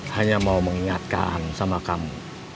hanya mau mengingatkan sama kamu